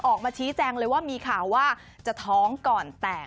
ออกมาชี้แจงเลยว่ามีข่าวว่าจะท้องก่อนแต่ง